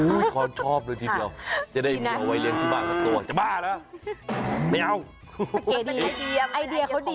เออแต่ตายตลอด